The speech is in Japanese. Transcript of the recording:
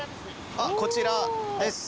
あっこちらです。